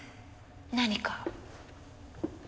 何か？